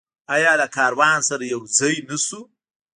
آیا له کاروان سره یوځای نشو؟